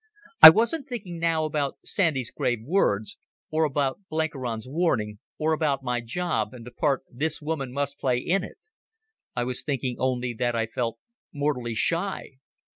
I wasn't thinking now about Sandy's grave words, or about Blenkiron's warning, or about my job and the part this woman must play in it. I was thinking only that I felt mortally shy.